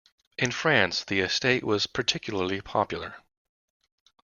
In France, the Estate was particularly popular.